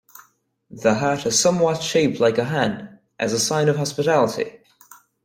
The hat is somewhat shaped like a hand, as a sign of hospitality.